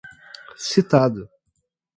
citado